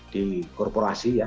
di korporasi ya